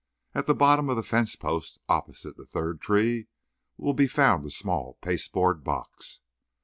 At the bottom of the fence post, opposite the third tree, will be found a small pasteboard box.